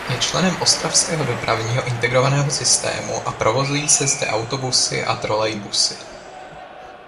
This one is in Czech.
Je členem Ostravského dopravního integrovaného systému a provozují se zde autobusy a trolejbusy.